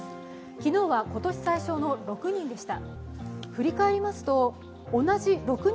昨日は今年最少の６人でした。